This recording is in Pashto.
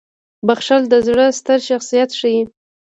• بخښل د زړه ستر شخصیت ښيي.